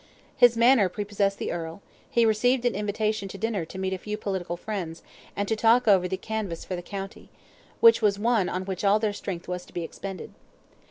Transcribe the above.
His manner prepossessed the earl; he received an invitation to dinner to meet a few political friends, and to talk over the canvass for the county, which was one on which all their strength was to be expended.